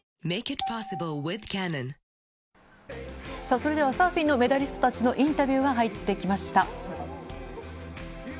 それではサーフィンのメダリストたちのインタビューが入ってきました。